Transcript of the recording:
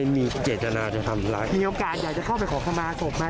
เลยมีเจรจนาจะทำร้ายมีโอกาสอยากจะเข้าไปขอสมมา